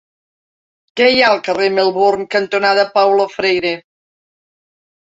Què hi ha al carrer Melbourne cantonada Paulo Freire?